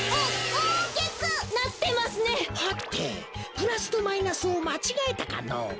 プラスとマイナスをまちがえたかの？